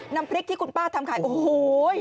น้ำพริกที่คุณป้าทำขายโอ้โห